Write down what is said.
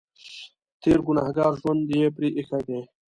تېر ګنهګار ژوند یې پرې اېښی دی.